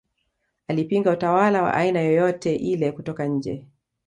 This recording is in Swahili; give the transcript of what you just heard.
Alipinga utawala wa aina yoyote ile kutoka nje